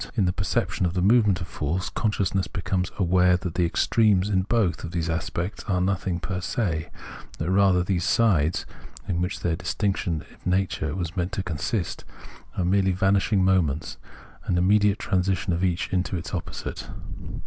In the perception of the movement of force, consciousness becomes aware that the extremes, in both these aspects, are nothing fer se, that rather these sides, in which their distinction of nature was meant to consist, are merely vanishing moments, an immediate transition of each into its opposite.